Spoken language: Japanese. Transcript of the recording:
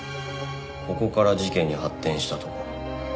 ここから事件に発展したとか。